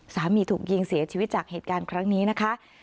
ถูกยิงเสียชีวิตจากเหตุการณ์ครั้งนี้นะคะ